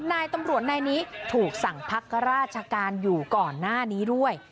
นายตำรวจนายนี้ถูกสั่งพักราชการอยู่ก่อนหน้านี้ด้วย